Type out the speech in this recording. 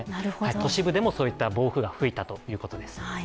都市部でもそういった暴風が吹いたということです。